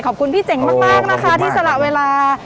พี่เจ๋งมากนะคะที่สละเวลา